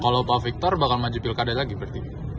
kalau pak victor bakal maju pilkada lagi berarti